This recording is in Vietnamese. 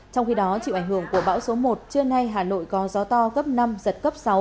trong khi đó chịu ảnh hưởng của bão số một trưa nay hà nội có gió to cấp năm giật cấp sáu